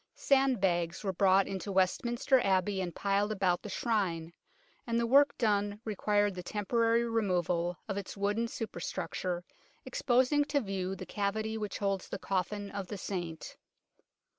Sand bags were brought into Westminster Abbey and piled about the Shrine, and the work done re quired the temporary removal of its wooden super structure, exposing to view the cavity which holds the coffin of the Saint.